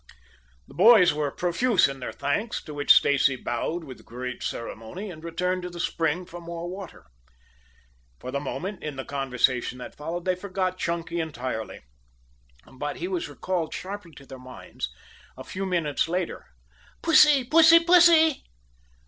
The boys were profuse in their thanks, to which Stacy bowed with great ceremony and returned to the spring for more water. For the moment, in the conversation that followed, they forgot Clunky entirely. But he was recalled sharply to their minds a few minutes later. "Pussy, pussy, pussy!"